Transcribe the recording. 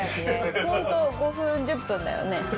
本当、５分、１０分だよね。